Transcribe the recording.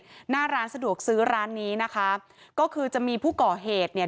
หน้าร้านสะดวกซื้อร้านนี้นะคะก็คือจะมีผู้ก่อเหตุเนี่ย